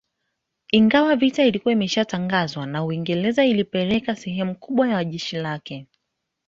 Ingawa vita ilikuwa imeshatangazwa na Uingereza ilipeleka sehemu kubwa ya jeshi lake